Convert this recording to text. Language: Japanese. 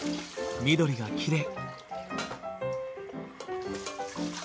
緑がきれい。